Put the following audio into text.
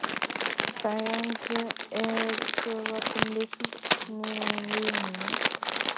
The young Ewald grew up in this milieu.